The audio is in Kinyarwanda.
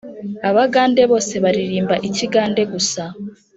Abagande bose baririmba ikigande gusa